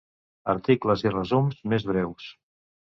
Articles i resums més breus.